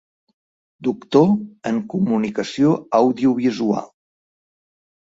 Doctor en Comunicació Audiovisual.